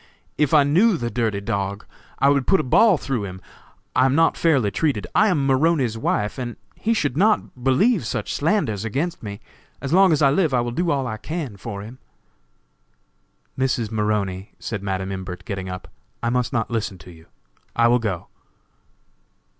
If I knew the dirty dog, I would put a ball through him. I am not fairly treated. I am Maroney's wife, and he should not believe such slanders against me. As long as I live I will do all I can for him." "Mrs. Maroney," said Madam Imbert, getting up, "I must not listen to you; I will go."